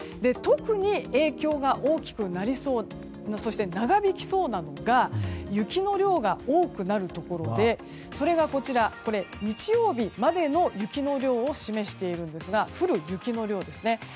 特に影響が大きくなりそう長引きそうなのが雪の量が多くなるところでそれが、こちらは日曜日までの雪の量を示しているんですが降る雪の量です。